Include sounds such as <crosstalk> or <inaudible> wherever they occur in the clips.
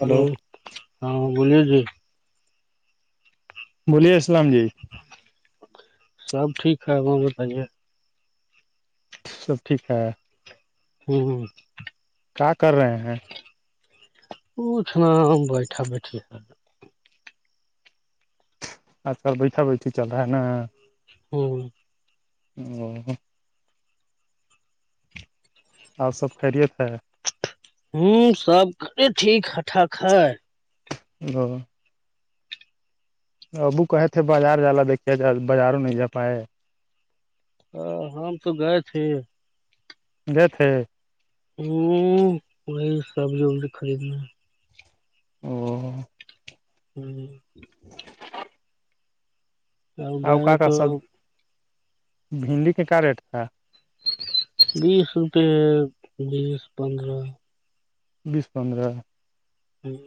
hello ہاں بولیے جے بولیے اسلام جی سب ٹھ ہے وہاں بتائیے سب ٹھیک ہے ہوں کیا کر رہے ہیں اچھنا بیٹھا بیٹھی آ کل بیھا بیٹھی چل رہا ہے نا ہوں ہمم ہمم ہم آپ سب خیریت ہے ہوں سب کر ٹھیک ہ ٹھااک ہے <unintelligible> ابو کہے تھے بازار جالا دیکھے بازاروں نہیں جا پائے ا ہم تو گئے تھ د تھے ہ وہی سبزی وبزی خریدنا ہے او ہمم اب اور گئے کا کا تو سب بھنڈی کے کیا ریٹ تھا بیس روپیئے بیس پندرہ بیس پندرہ ہمم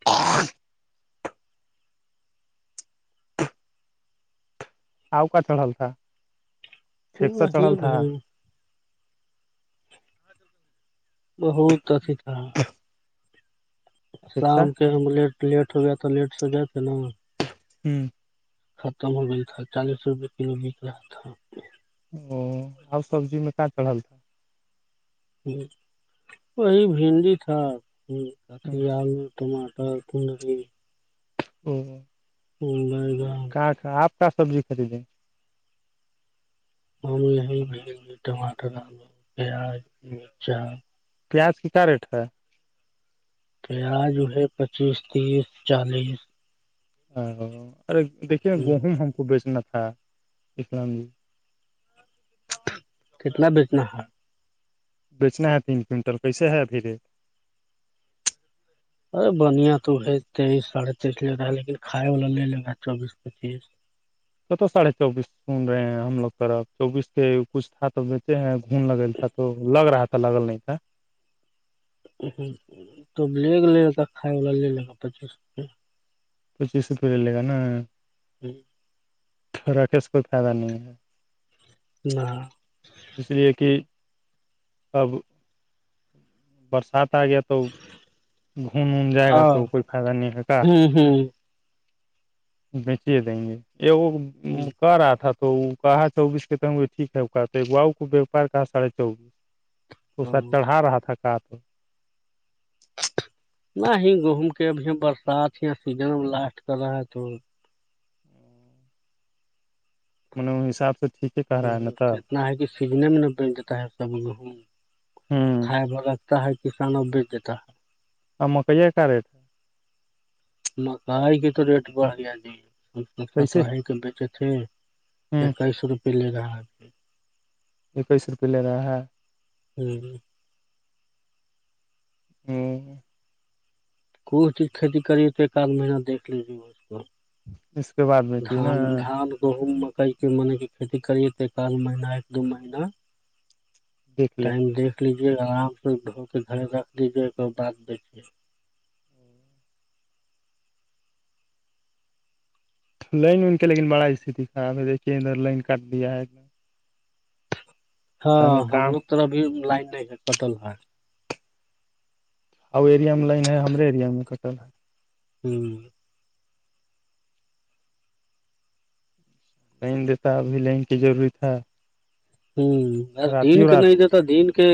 <unintelligible> آؤ کا چڑھل تھا ٹیکسا وہ ہے چڑھل تھا نہیں ہے بہت اچھی تھا <inaudible> ٹیکسا شام کے ہم لٹ لیٹ ہویا تو لیٹ سو جائے کے نا ہمم ختم ہو گئی تھا چالیس روپئے کلو بک رہا ہے او آ سبزی میں کیا چڑھل تھا ہ وہی بھنڈی تھا ہ کٹیا میں ٹماٹا کڈری ہمم ہمم <unintelligible> کہاں آپ کا سبزی خریدیں ہم یہ بھی گے ٹماٹر آلو پیاز مرچا پیاز کی کیا ریٹ ہے پیا جو ہے پچیس تیس چالیس ا ارے دیکھیے گہم ہم کو بیچنا تھا اسلام بھی کتلا بیچنا ہے بیچنا ہے تین کئنٹل کیسے ہے ابھی ریٹ ارے بنیا تو ہے تیئیس سڑھے تیئیس لے رہا ہے لیکن کھائے والا لے لگا ہے چوبیس پچیس کت ساڑھے چوبیس سن رہے ہیں ہم لوگ طف چوبیس کے کچھ تھا تو بیچتے ہیں گھن لگل تھا تو لگ رہا تھا لگل نہیں تھا ہ توب لے گ لے گا کھائے وا لے لے گا پچیس پچیس روپئے لے لے گا نا جی تھ رااک اس کوئی فائدہ نہیں ہے نہ اس لیے کہ اب برسات آگ تو گھون وون جائے گا ہاں تو کوئی فائدہ نہیں ہو گا ہوں ہوں بیچے دیں گے یہ وہ کہ رہا تھا تو کہا چوبیس کے ت ٹھیک ہےا باؤ کو وپار کہا سڑھے چوبیس تو سا ہ چڑھا رہا تھا کہ تو نہ ہی گہوم کے اب یہ برسات سیزن ا لاسٹ کر رہا ہے تو مط حساب سے ٹھیک کہ رہا ہے نا تھا کتنا ہے کہ سیزنے میں نہ بٹ جاتتا ہے سب گیہم ہوں کھائے با جتا ہے کسانوں بیچ دیتا ہے اور مکئی کا ریٹ ہے ن گائی کی تو ریٹ بڑھ گیا جی کیسے ختراہی کے بیچے تھھی ہ اکیس روپے لے جاھی اکیس روپئے لے رہا ہے ہوں <unintelligible> کون چیز کھیتی کری تو ایک آدھ مہینہ دھ لیجیے اس کو اس کے بعد میں چاہیے نا گان گان گہوم کئی کے من کی کھیتی کریے ت ایکال مہینہ ایک دو مہینہ دیکھ لیں ٹائم دیکھ لیجیے آرام سے دھو کے گھر رکھ لیجیے ا بعد بیچے لائن ان کے لیکن بڑا استتی خراب ہے دیکے ادھر لائن کاٹ دیا ہے ایک ہاں نہیں ہم کام لوگ تو ابھی لائن نہیں ہے کٹل ہے ا ایریا میں لائن ہے ہمرے ایریا میں کٹل ہے ہوں لائن دیتا ابھی لائن کی ضروری تھا ہوں ار رات دین ہی کنا رات دن کے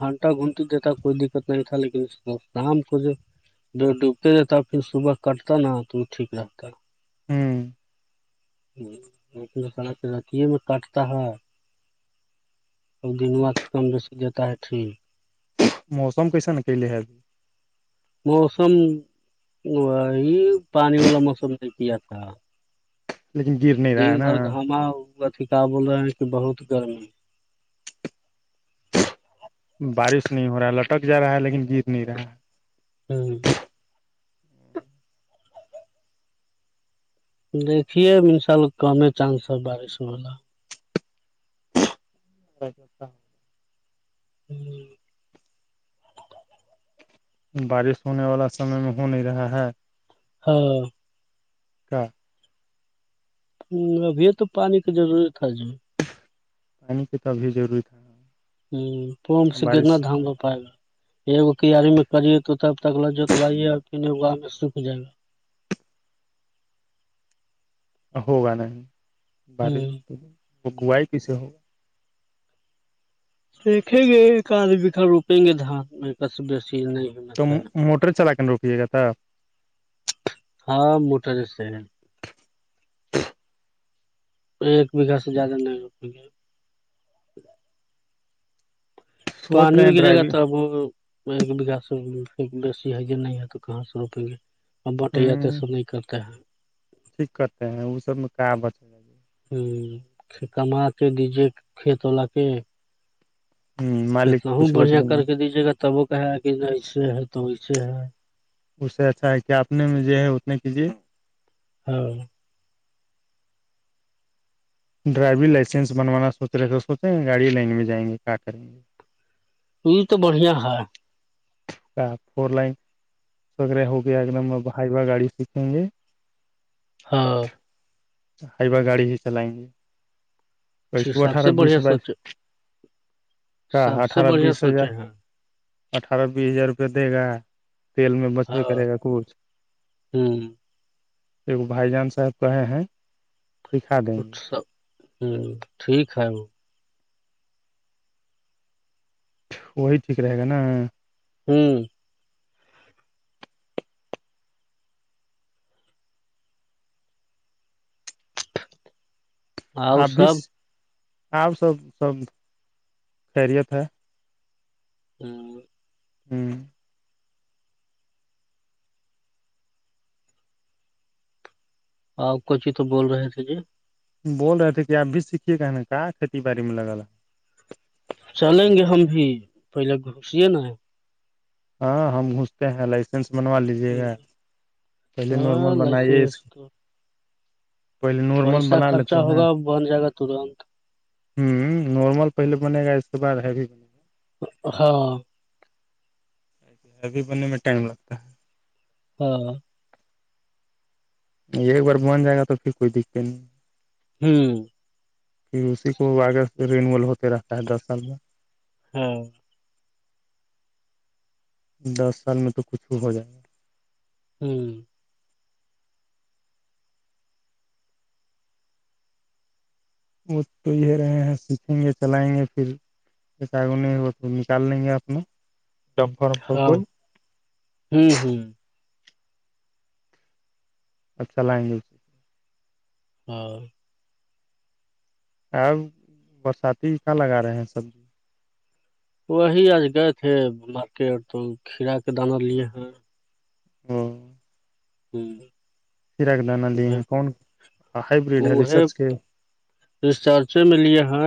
گھنٹا گھنٹیتی دتا کوئی دقت نہیں تھا لیکن شام ک جو جب ڈوبتے رہتا پھر صبح کٹتا نا تو وہ ٹھیک رہتا ہے ہوں ا سڑ رتیے میں کاٹتا ہے ا دنواات کم رسی دیتا ہے ٹھیک موسمئیسا نا کہ لیے آ جی موسم یہ پانی والا موسم نے کیا تھا لیکن در دن بھر گھاما ا کہ بول رہے ہیں کہ بہت گرمی بارش نہیں ہو رہا ہے لٹک جا رہا ہے لیکن گر نہیں رہا ہے ہوں دیکھیے اب ان شاء اللہ کم چانس ہے بارش ہوا اچا جی بارش ہونے والا سمے میں ہو نہیں رہا ہے ہاں ہاں ہ ابھی تو پانی کی ضرورت تھا جو پانی کی تو ابھیضوری تھا ہ پپ سے کتنا دام ہو پائے گا <unintelligible> یہگو کییاری میں کریے تو تب تک لجت وائیے اور آم سوکھ جائے گا <inaudible> ہوگا نہیں بارش ہ وہ بائی کیس سے ہوگا دیکھیں گے آد بکھا روپیں گے دھات میں کس بیسی نہیں تو ہمت ہے موٹر چلا کے روکیے گا تھا ہاں موٹا جیس ہے ایک بیگھہ سے زیادہ نہیں رپے گے سوچ پانی رہے ہیں گرے گا ڈرائیو تو اب ایک بیگھا سے بی ہے جو نہیں ہے تو کہاں سے روپیں گے ا بٹیا تسو نہیں کرتے ہیں ٹھ کرتے ہیں ا سب میں کا بچ <unintelligible> کما کے دییے کھیت ولاا کے ہ مالک کتنا کچھ بچ بڑھیا بھی کر نہیں کے دیجیے گا تب وہ کہے گ کہ ایسے ہے تو ویسے ہے اس سے اچھا ہے کیا اپنے میں جو ہے اتنے کیجیے ہاں ڈرائیوریگ لائسنس بنوانا سوچ رہے تھ سوچے ہیں گاڑی لائن میں جائیں گے کیا کریں گے یہ یہ تو بڑھیا ہے کا فور لائن وغیرہ ہو گیا ایک دم ہائیوا گاڑی سیکھیں گے ہاں ہائیبا گاڑی ہی چلائیں گے ٹھیک بسو سب اٹھارہ سے بیس بڑھیا بائیس سوچے کا سب سے اٹھارہ بڑھیا بیس سوچے ہزار ہیں اٹھارا بیس ہزار روپیہ دے گا تیل میں ہاں بچوے کرے گا کچھ ہوں ایکگ بھائی جان صاحب کہے ہیں <unintelligible> سکھا دیں اچ گے سا ہوں ٹھیک ہے وہ <inaudible> وہی ٹھیک رہے گا نا ہوں اور اپ بھی سب آپ سب سب خیریت ہے ہوں <inaudible> ہوں اور کوچ ہی تو بول رہے تھے جی بول رہے تھے کہ آپ بھی سیکھیے کہ ن کا کھیتی باڑی میں لگا چلیں گے ہم بھی پہلے گھسیے نا ہاں ہم گھستے ہیں لائسنس بنوا لیج ے گا پہلے نارمل ہاں بنائیے اس لائسنس <unintelligible> پہلے نارمل بنا لیتے ہیں بند جائے گا ترنت <inaudible> ہوں نارمل پہلے بنے گا اس کے بار ہیوی بنے گا ہاں ابھی بننے میں ٹائم لگتا ہے ہاں ایک بار بن جائے گا تو پھر کوئی دقت نہیں ہوں کہ اسی کو آگے رینول ہوتے رہتا ہے دس سال میں ہاں دس سال میں تو کچھ ہو جائے گا ہوں وہ تو یہ رہے ہیں سیکھیں گے چلائیں گے پھر وہ نکال لیں گے اپنا جب بھر اھر ہاں کوئی ہوں ہوں اچھا لائیں گے ہاں ا برساتی کہ لگا رہے ہیں سبزی وہی آج گئے تھے مارکیٹ تو کھیرا کے دانہ لیے ہیں ہوں ہوں ہرا کے دانہ لیے ہیں کون ہائیبریڈ ہے ریسرچ کے <unintelligible> اس چرچے میں لیے ہا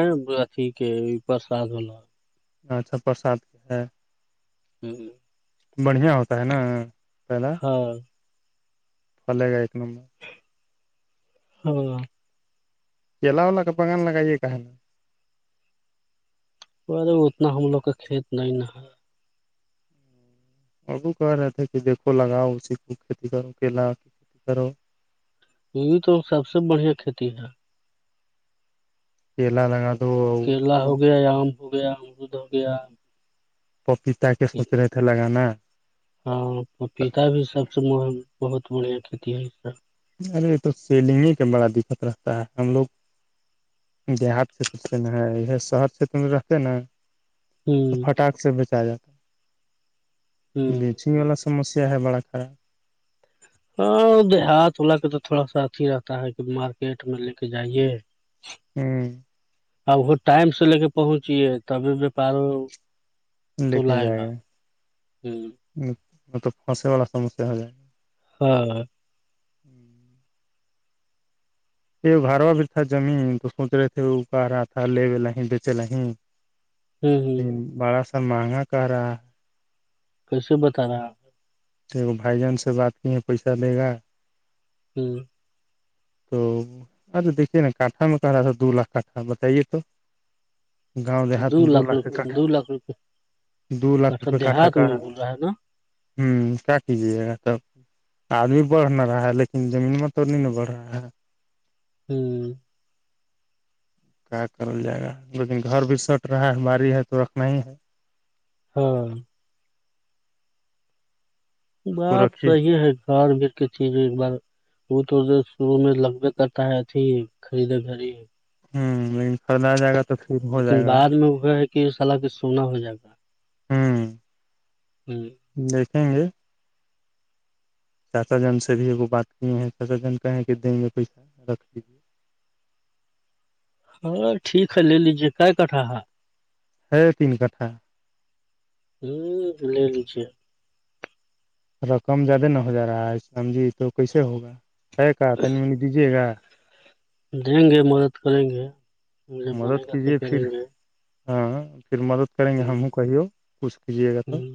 اھی کے پرساد واللا اچھا پرساد کے ہے ہوں ہ <inaudible> بڑھیا ہوتا ہے نا پائدہ ہاں پلے گ ایک نمبر ہ چلاؤ ولا کا بان لگاائی یہ کہنا اتنا ہم لوگ کا کھیت ن نا اگو کہہ رہے تھے کہ دھو لگاؤ اسی کو کھیتی کرو کیلا کی کھیتی کرو یہ بھی تو سب سے بڑھیا کھیتی ہے پی ل تگا کیرلا ہو گیا عم ہو گیا ارود ہو گیا پپیتا کے سوچ رہے تھے لگانا ہاں پپیتا بھی سب سے م بہت بڑھیا کھیتی ہے اس ارے تو سیلنگے کا بڑا دقت رہتا ہے ہم لوگ دیہات چھیر سے ن ہے یہ شہر چھیتر میں رہتے نا تو ہ پٹااک سے بیچا جاتا ہے بیچنگ ہ ہ والا سمسیا ہے بڑا خراب ہاں دیہات ولا کے تو تھوڑا سا اھی رہتا ہے کہ مارکیٹ میں لے کے جائیے ہوں اب وہ ٹائم سے لے کے پہنچی ہے تبھی وپاروں لے کے جائے گا ہ م توب پھنسے والا سمسیا ہو جائے گا ہاں یہ گھروا بھی تھا زمین تو سوچ رہے تھے وہ کہ رہا تھا لےے ل نہیں بیچے ل نہیں ہ ہ بڑا سا مہنگا کر رہا ہے کیسے بتانا آپ تو بھائی جان سے بات کی ہیں پیسہ لے گا ہوں تو ارے دیکھیے نا کانٹا میں کہ رہا تھا دو لاکھ کٹھا بتائیے تو گاؤں دیہات میں دو لاکھ روپ کے کٹ دو لاکھ روپئے دو لاکھ کٹھا روپئے دیہات کاٹھاکا میں بول رہا ہے نا ہوں کیا کیجیے گا تب آدمی بڑھ نہ رہا لیکن زمین میں تو نہیں ن بڑھ رہا ہاں ہوں کیا کرل جائے گا لیکن گھر بھی سٹ رہا ہے ہماری ہے تو رکھنا ہی ہے ہاں کو بات رکھیے توی ہے گھر بی کے چیزیں ایک بار وہ تو شروع میں لگبے کرتا ہے اھی خریدے گھریی ہوں خدا جگ لیکن بعد میں وہ ہے کہ سال کھ سونا ہو جائے گا ہوں ہوں دیکھیں گے چاچا جن سے بھی ایگ بات کیے ہیں چاچا جن کہ ہے کہ دیں گے پیسہ رکھ لیجے ہاں ٹیک ہے لے لیجیے کا کھا ہےاں ہے تین کھا لے لیچے رقم زیادہ نہ ہو جا رہا ہے سمجھی تو کیسے ہوگا ہے کا تنی منی دیجیے گا دیں گے مدد کریں گے جب بنے مدد گا س کیجیے پھر کریں گے ہاں پھر مدد کریں گے ہ ہم کہیو کچھ کیجیے گا تو ہ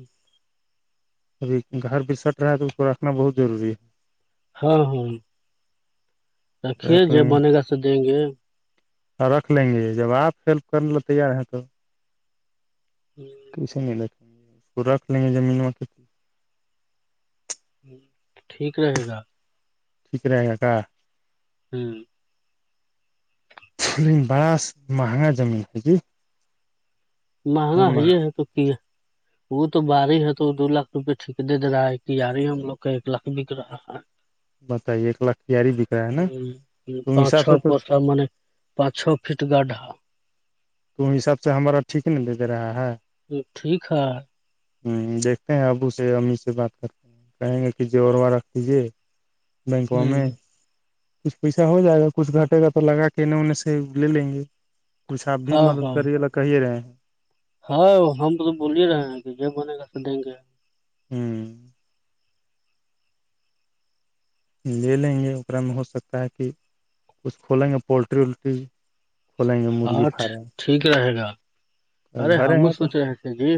ابھی گھر بسٹ رہ ہے تو اس کو رکھنا بہت ضروری ہے ہاں ہاں ہے رکھیے رکھ جو لیں گے بنے گا س دیں گے اور رکھ لیں گے جب آپ ہیلپ ہوں، کرنے ل تیار ہیں تو ہوں، کے نہیں لکھیں گے اس کو رکھ لیں گے زمین میں ٹھیک ٹھیک رہے گا ٹھیک رہے گا کا ہوں فھلیین بس مہگا زمین ہے کہ مہنگا ہے یہ ہے تو کی وہ تو باری ہے تو دو لاکھ روپئے ٹھیک دے رہا ہے کہ یار ہی ہم لوگ کا ایک لاکھ بک رہا ہے بتائیے ایک لاکھ کیاری بک رہا ہے نا تم پانچ حساب چو سے تو پسہ پانچ چھ فٹ گڈھا تو وہ حساب سے ہمارا ٹیک دیتے رہا ہے ٹھیک ہے دیکھتے ہیں ابو سے امی سے بات کرتے ہیں کہیں گے کہ جووروا رکھ دیجیے بینکاک ہ میں کچھ پیسہ ہو جائے گا کچھ گھٹے گا تو لگا کے انہیں انیں سے لے لیں گے کچھ آپ بھی ہاں مدد ہاں کرے لا کہیے رہے ہیں ہاں ہم تو بول ہی رہے ہیں کہ یہ بنے گا دیں گے ہوں لے لیں گے امیں ہو سکتا ہے کہ کچھ کھولیں گے پولٹری وولٹری کھولیں گے مرغی ہاں فارم ٹھیک رہے گا ارے گھر ہمو ہیں تو سوچ رہے تھے جی